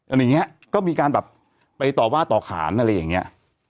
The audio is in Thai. อะไรอย่างเงี้ยก็มีการแบบไปต่อว่าต่อขานอะไรอย่างเงี้ย